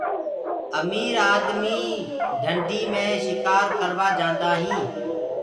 امير آدمي ڍنڊي مي شڪآر ڪروآ جآندآ هينٚ۔